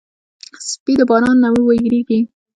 سپي د باران نه وېرېږي.